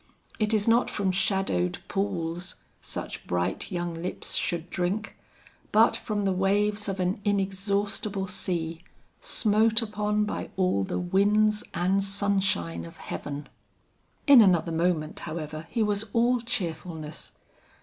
It is not from shadowed pools, such bright young lips should drink, but from the waves of an inexhaustible sea, smote upon by all the winds and sunshine of heaven." In another moment, however, he was all cheerfulness.